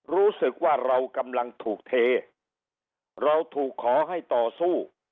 รู้สึกว่าเรากำลังถูกเทเราถูกขอให้ต่อสู้